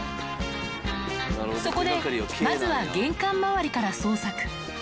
そこで、まずは玄関周りから捜索。